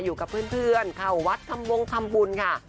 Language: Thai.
อยู่กับเพื่อนเข้าวัดทำวงทำบุญค่ะ